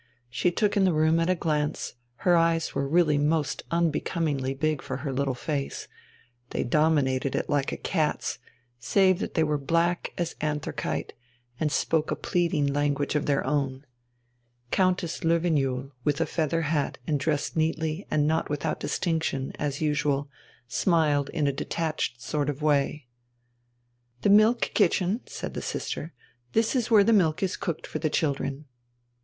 She took in the room at a glance; her eyes were really almost unbecomingly big for her little face, they dominated it like a cat's, save that they were black as anthracite and spoke a pleading language of their own.... Countess Löwenjoul, with a feather hat and dressed neatly and not without distinction, as usual, smiled in a detached sort of way. "The milk kitchen," said the sister; "this is where the milk is cooked for the children."